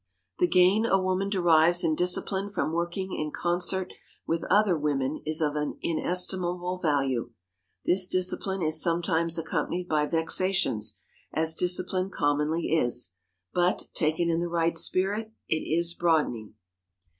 The gain a woman derives in discipline from working in concert with other women is of inestimable value. This discipline is sometimes accompanied by vexations, as discipline commonly is, but, taken in the right spirit, it is broadening.